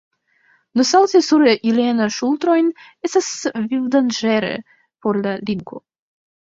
Do salti sur iliajn ŝultrojn estas vivdanĝere por la linko.